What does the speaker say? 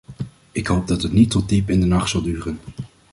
Ik hoop dat het niet tot diep in de nacht zal duren.